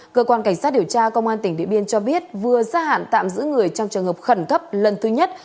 cơ quan cảnh sát điều tra công an tỉnh điện biên cho biết vừa ra hạn tạm giữ người trong trường hợp khẩn cấp lần thứ nhất